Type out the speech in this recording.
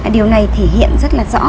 điều này thể hiện rất là rõ